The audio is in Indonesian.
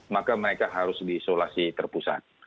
maka mereka harus diisolasi terpusat